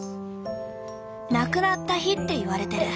「亡くなった日」っていわれてる。